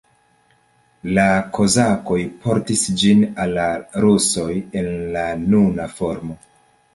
La kozakoj portis ĝin al la rusoj en la nuna formo.